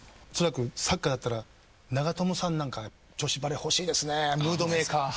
サッカーだったら長友さんなんか女子バレー欲しいですねムードメーカー。